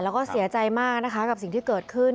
แล้วก็เสียใจมากนะคะกับสิ่งที่เกิดขึ้น